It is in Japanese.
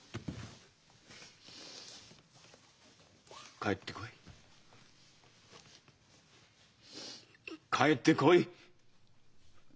帰ってこい帰ってこい！